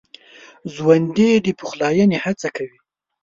ژوندي د پخلاينې هڅه کوي